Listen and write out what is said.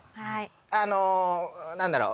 あのなんだろう。